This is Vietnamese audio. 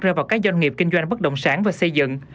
rơi vào các doanh nghiệp kinh doanh bất động sản và xây dựng